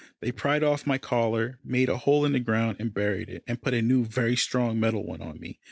They pried off my collar, made a hole in the ground, and buried it, and put a new, very strong metal one on me.